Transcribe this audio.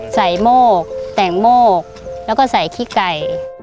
โมกแต่งโมกแล้วก็ใส่ขี้ไก่